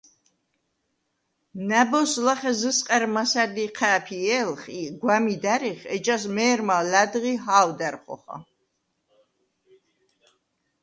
ნა̈ბოზს ლახე ზჷსყა̈რ მასა̈რდ იჴა̄̈ფიე̄ლხ ი გვა̈მიდ ა̈რიხ, ეჯას მე̄რმა ლა̈დღი ჰა̄ვდა̈რ ხოხა.